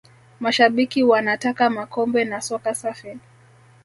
mashabiki wa nataka makombe na soka safi